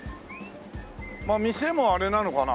店もあれなのかな？